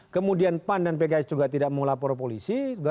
kemudian pan dan pks juga tidak mau lapor polisi